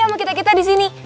sama kita kita di sini